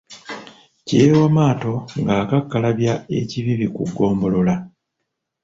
Kireewa Maato ng'akakkalabya e Kibibi ku ggombolola.